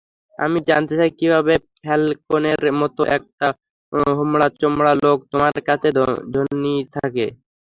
আমি জানতে চাই, কীভাবে ফ্যালকোনের মতো একটা হোমড়াচোমড়া লোক তোমার কাছে ঋণী থাকে?